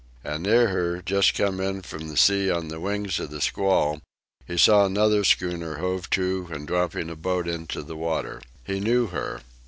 And near her, just come in from the sea on the wings of the squall, he saw another schooner hove to and dropping a boat into the water. He knew her.